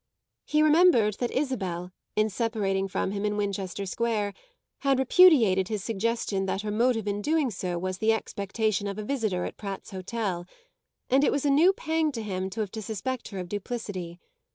He remembered that Isabel, in separating from him in Winchester Square, had repudiated his suggestion that her motive in doing so was the expectation of a visitor at Pratt's Hotel, and it was a new pang to him to have to suspect her of duplicity.